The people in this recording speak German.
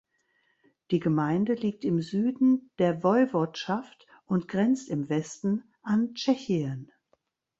Die Gemeinde liegt im Süden der Woiwodschaft und grenzt im Westen an Tschechien.